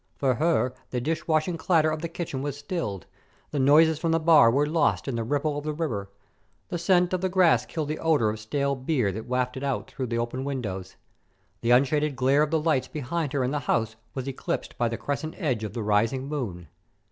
For her the dish washing clatter of the kitchen was stilled, the noises from the bar were lost in the ripple of the river; the scent of the grass killed the odor of stale beer that wafted out through the open windows. The unshaded glare of the lights behind her in the house was eclipsed by the crescent edge of the rising moon.